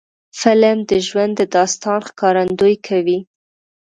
فلم د ژوند د داستان ښکارندویي کوي